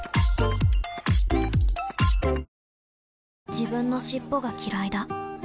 自分の尻尾がきらいだ